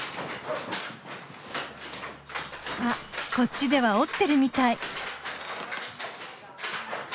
あこっちでは織ってるみたい。